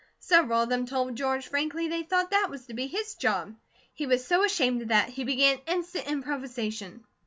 Several of them told George frankly they thought that was to be his job. He was so ashamed of that, he began instant improvisation.